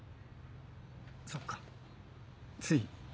そっかつい。